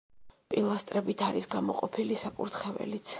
პილასტრებით არის გამოყოფილი საკურთხეველიც.